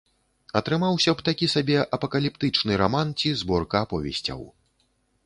Атрымаўся б такі сабе апакаліптычны раман ці зборка аповесцяў.